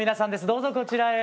どうぞこちらへ。